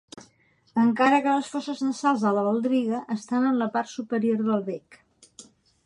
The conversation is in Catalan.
Encara que les foses nasals de la baldriga estan en la part superior del bec.